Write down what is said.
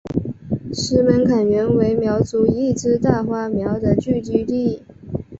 石门坎原为苗族一支大花苗的聚居地。